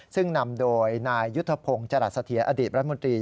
ซึ่งนำโดยนายยุทธพงศ์จรัสเถียรอดีตรัฐมนตรี